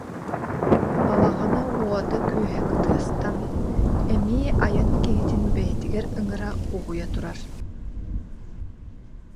Балаҕана уота-күөһэ кытыастан, эмиэ айан киһитин бэйэтигэр ыҥыра-угуйа турар